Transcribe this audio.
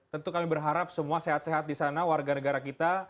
tentu kami berharap semua sehat sehat di sana warga negara kita